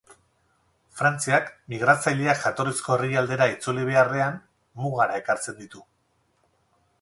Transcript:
Frantziak migratzaileak jatorrizko herrialdera itzuli beharrean, mugara ekartzen ditu.